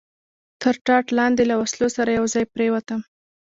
تر ټاټ لاندې له وسلو سره یو ځای پرېوتم.